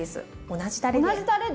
同じたれで？